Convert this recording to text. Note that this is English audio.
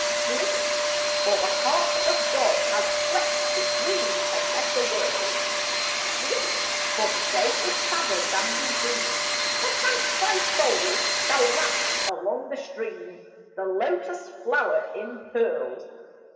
Sleep ! for the heart of God has slept to dream A better world ; Sleep! for the day is sadder than we deem: Perchance thy soul shall lapse along the stream The lotus flower impearled.